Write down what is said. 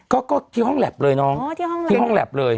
ก็ที่ห้องแล็บเลยน้องที่ห้องแล็บเลย